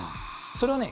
それはね